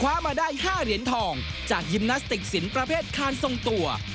มาได้๕เหรียญทองจากยิมนาสติกสินประเภทคานทรงตัว